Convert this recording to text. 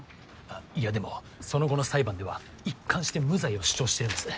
あっいやでもその後の裁判では一貫して無罪を主張してるんです。